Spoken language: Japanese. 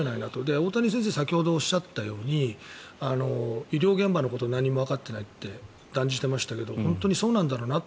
大谷先生が先ほどおっしゃったように医療現場のこと何もわかってないって断じてましたけど本当にそうなんだろうなと。